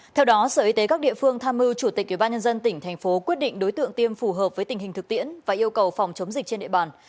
theo đó sở y tế các địa phương tham mưu chủ tịch ubnd tỉnh thành phố quyết định đối tượng tiêm phù hợp với tình hình thực tiễn và yêu cầu phòng chống dịch trên địa bàn